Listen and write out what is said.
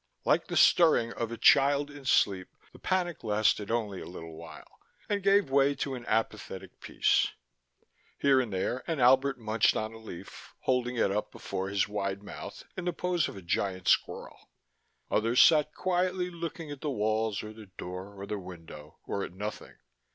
Like the stirring of a child in sleep, the panic lasted only a little while, and gave way to an apathetic peace. Here and there an Albert munched on a leaf, holding it up before his wide mouth in the pose of a giant squirrel. Others sat quietly looking at the walls or the door or the window, or at nothing.